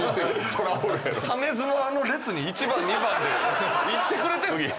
鮫洲のあの列に１番２番って行ってくれてるんですか？